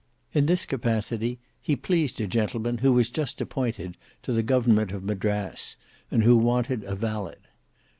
In this capacity, he pleased a gentleman who was just appointed to the government of Madras, and who wanted a valet.